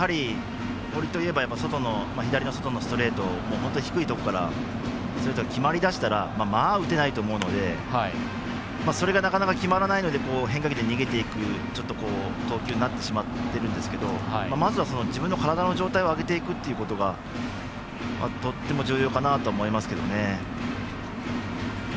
堀といえば左の外のストレート低いところから決まりだしたらまあ打てないと思うのでそれが、なかなか決まらないので変化球で逃げていく投球になってしまっているんですけど、まずは自分の体の状態を上げていくということがとても重要かなと思いますけどね。